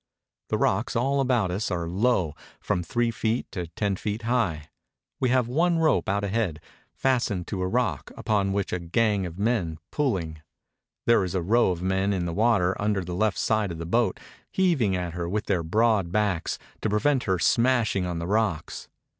The rocks all about us are low, from three feet to ten feet high. We have one rope out ahead, fastened to a rock, upon which stand a gang of men, pulling. There is a row of men in the water under the left side of the boat, heaving at her with their broad backs, to prevent her smashing on the rocks.